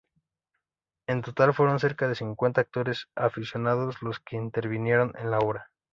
En total fueron cerca de cincuenta actores aficionados los que intervinieron en la obra.